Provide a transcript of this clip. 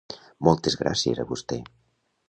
Moltes gràcies a vostè.